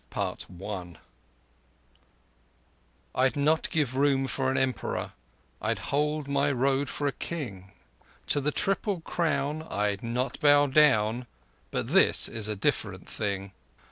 CHAPTER XV I'd not give room for an Emperor— I'd hold my road for a King. To the Triple Crown I'd not bow down— But this is a different thing!